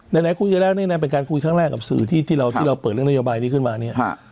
ไหนคุยกันแล้วนี่นะเป็นการคุยครั้งแรกกับสื่อที่เราเปิดเรื่องนโยบายนี้ขึ้นมาเนี่ย